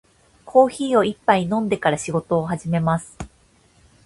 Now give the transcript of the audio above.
コーヒーを一杯飲んでから仕事を始めます。